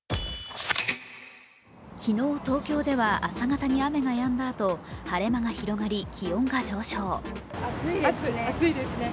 昨日、東京では朝方に雨がやんだあと、晴れ間が広がり、気温が上昇。